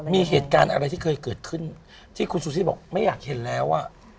มีเหตุการณ์อะไรที่เคยเกิดขึ้นที่คุณชูชีพบอกไม่อยากเห็นแล้ว